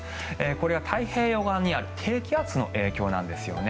これは太平洋側にある低気圧の影響なんですね。